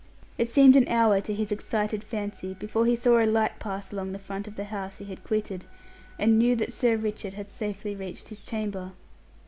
It seemed an hour to his excited fancy before he saw a light pass along the front of the house he had quitted, and knew that Sir Richard had safely reached his chamber.